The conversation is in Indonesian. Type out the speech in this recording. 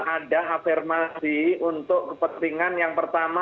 ada afirmasi untuk kepentingan yang pertama